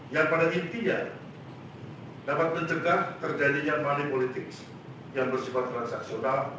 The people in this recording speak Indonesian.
yang pada intinya dapat mencegah terjadinya money politics yang bersifat transaksional